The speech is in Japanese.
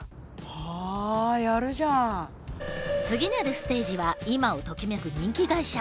次なるステージは今をときめく人気会社。